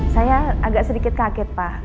saya agak sedikit kaget pak